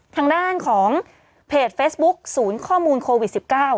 ทางด้านของเพจเฟซบุ๊คศูนย์ข้อมูลโควิด๑๙